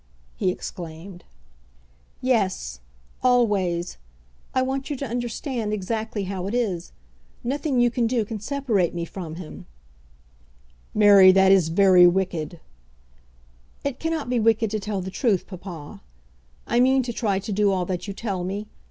he exclaimed. "Yes; always. I want you to understand exactly how it is. Nothing you can do can separate me from him." "Mary, that is very wicked." "It cannot be wicked to tell the truth, papa. I mean to try to do all that you tell me.